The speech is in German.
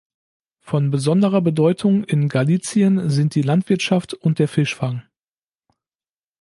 Von besonderer Bedeutung in Galicien sind die Landwirtschaft und der Fischfang.